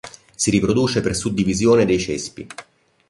Si riproduce per suddivisione dei cespi.